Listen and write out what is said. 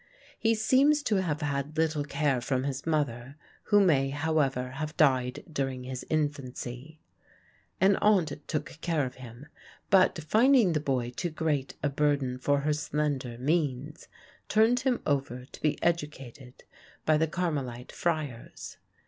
He seems to have had little care from his mother, who may, however, have died during his infancy. An aunt took care of him; but, finding the boy too great a burden for her slender means, turned him over to be educated by the Carmelite friars.